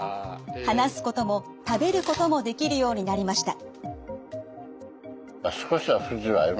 話すことも食べることもできるようになりました。